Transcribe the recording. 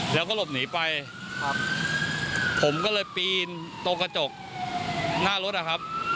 แล้วก็หลบหนีไปครับผมก็เลยปีนตรงกระจกหน้ารถอะครับ